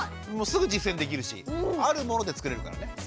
もうすぐ実践できるしあるもので作れるからね。